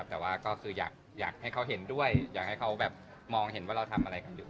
แต่ว่าก็คืออยากให้เขาเห็นด้วยอยากให้เขาแบบมองเห็นว่าเราทำอะไรกันอยู่